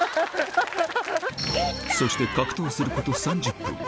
そして格闘すること３０分。